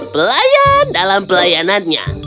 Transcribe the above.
pelayan dalam pelayanannya